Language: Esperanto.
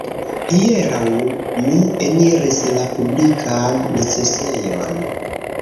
Hieraŭ mi eniris la publikan necesejon.